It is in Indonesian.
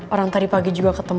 orang tadi pagi juga ketemu